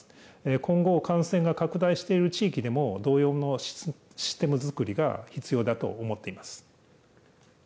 今後、感染が拡大している地域でも、同様のシステム作りが必要だと思っています。